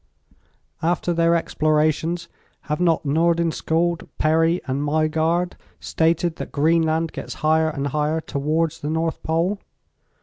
"After their explorations have not Nordenskiold, Perry and Maaigaard stated that Greenland gets higher and higher towards the North Pole?